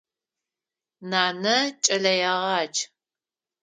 Нанэ кӏэлэегъадж.